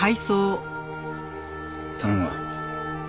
頼むわ。